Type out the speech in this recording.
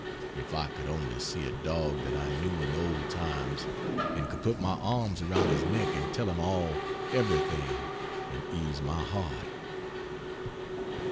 If I could only see a dog that I knew in the old times! and could put my arms around his neck and tell him all, everything, and ease my heart.